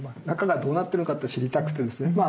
中がどうなってるかって知りたくてですね